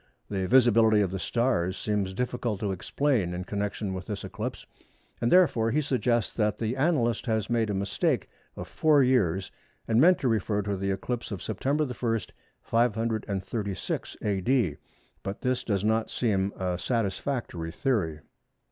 The visibility of the stars seems difficult to explain in connection with this eclipse, and therefore he suggests that the annalist has made a mistake of four years and meant to refer to the eclipse of September 1, 536 A.D., but this does not seem a satisfactory theory.